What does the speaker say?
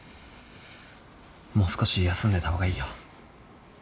もう少し休んでた方がいいよ。